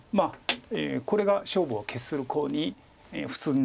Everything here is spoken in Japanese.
これが勝負を決するコウに普通なります。